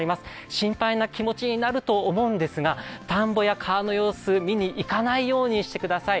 心配な気持ちになると思うんですが田んぼや川の様子、見に行かないようにしてください。